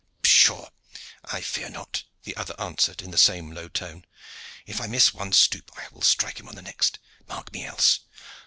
"Pshaw! fear not," the other answered in the same low tone. "If I miss one stoop I will strike him on the next. Mark me else.